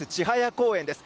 公園です。